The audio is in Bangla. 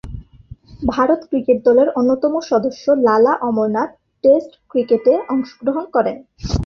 ভারত ক্রিকেট দলের অন্যতম সদস্য লালা অমরনাথ টেস্ট ক্রিকেটে অংশগ্রহণ করেন।